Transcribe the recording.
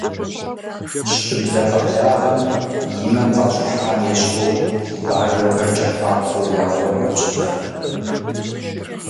Щыблэ къэблагъэм и мэр къащӏихьам ещхьу, бажэхэр кӏэкуакуэу я гъуэм йопщхьэж.